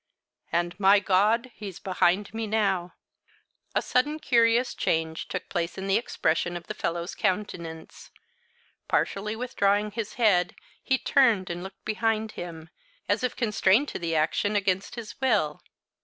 And, my God! he's behind me now." A sudden curious change took place in the expression of the fellow's countenance. Partially withdrawing his head, he turned and looked behind him as if constrained to the action against his will.